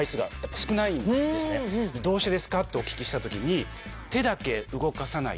どうしてですか？とお聞きした時に。